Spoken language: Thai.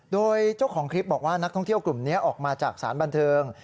โดยเจ้าของคลิปบอกว่านักท่องเที่ยวกลุ่มนี้ออกมาจากสารบันเทิง